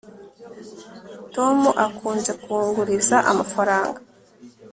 tom akunze kunguriza amafaranga